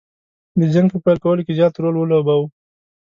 د جنګ په پیل کولو کې زیات رول ولوباوه.